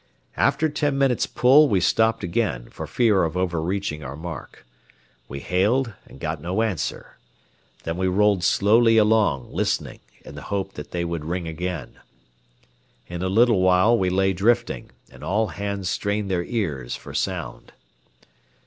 After ten minutes' pull, we stopped again, for fear of overreaching our mark. We hailed and got no answer. Then we rowed slowly along, listening in the hope they would ring again. In a little while we lay drifting, and all hands strained their ears for sound.